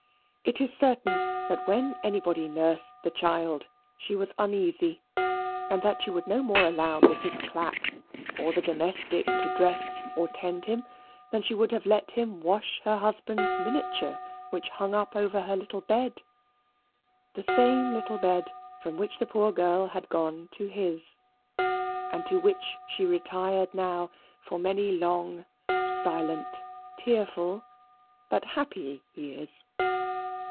It is certain that when anybody nursed the child, she was uneasy, and that she would no more allow Mrs. Clapp or the domestic to dress or tend him than she would have let them wash her husband's miniature which hung up over her little bed the same little bed from which the poor girl had gone to his; and to which she retired now for many long, silent, tearful, but happy years.